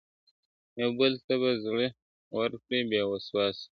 یوه بل ته به زړه ورکړي بې وسواسه ..